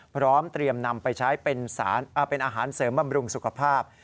พร้อมเตรียมนำไปใช้เป็นอาหารเสริมบำรุงสุขภาพ